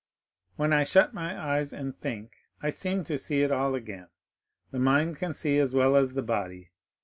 "When I shut my eyes and think, I seem to see it all again. The mind can see as well as the body.